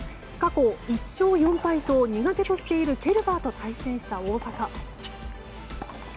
過去１勝４敗と苦手としているケルバーと対戦した大坂。